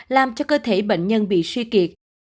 làm cho cơ thể bệnh nhân bị suy kiệt